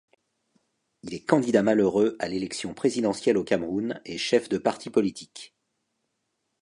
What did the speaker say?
Il est candidat malheureux à l'élection présidentielle au Cameroun et chef de parti politique.